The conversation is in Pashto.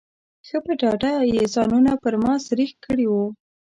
ښه په ډاډه یې ځانونه پر ما سرېښ کړي وو.